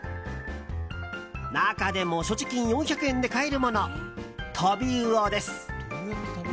中でも所持金４００円で買えるもの、とび魚です。